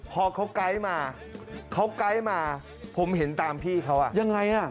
พอเขาไกด์มาเขาไกด์มาผมเห็นตามพี่เขาอ่ะยังไงอ่ะ